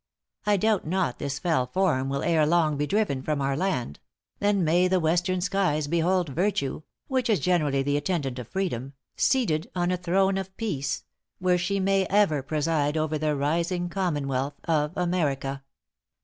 I doubt not this fell form will ere long be driven from our land: then may the western skies behold virtue (which is generally the attendant of freedom) seated on a throne of peace, where may she ever preside over the rising Commonwealth of America."